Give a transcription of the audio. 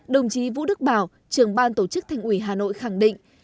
đồng chí vũ đức bảo trường ban tổ chức thành ủy hà nội khẳng định